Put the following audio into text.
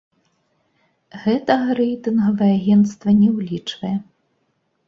Гэтага рэйтынгавае агенцтва не ўлічвае.